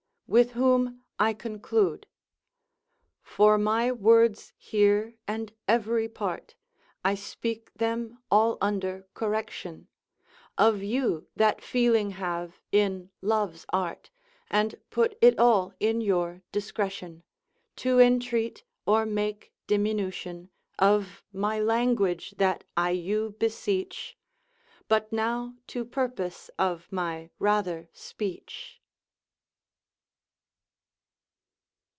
with whom I conclude, For my words here and every part, I speak hem all under correction, Of you that feeling have in love's art, And put it all in your discretion, To intreat or make diminution, Of my language, that I you beseech: But now to purpose of my rather speech.